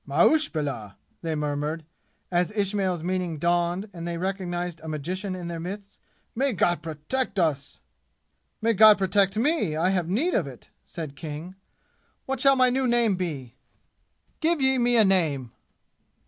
"Ma'uzbillah!" they murmured as Ismail's meaning dawned and they recognized a magician in their midst. "May God protect us!" "May God protect me! I have need of it!" said King. "What shall my new name be? Give ye me a name!"